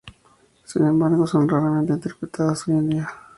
Sin embargo son raramente interpretadas hoy en día.